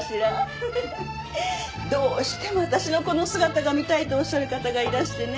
フフフ。どうしても私のこの姿が見たいとおっしゃる方がいらしてね。